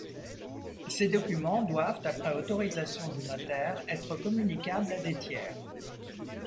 Ces documents doivent, après autorisation du notaire, être communicables à des tiers.